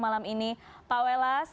pak welas terima kasih